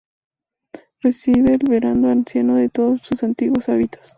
Reviste al Venerando Anciano de todos sus antiguos hábitos.